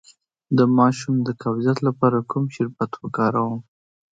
د ماشوم د قبضیت لپاره کوم شربت وکاروم؟